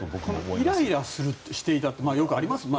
イライラしていたってよくありますよね